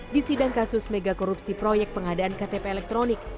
di sidang kasus megakorupsi proyek pengadaan ktp elektronik